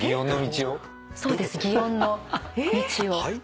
そうです祇園の道を。